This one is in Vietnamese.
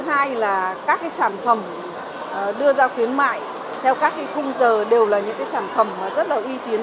thứ hai là các cái sản phẩm đưa ra khuyến mại theo các cái khung giờ đều là những cái sản phẩm rất là uy tín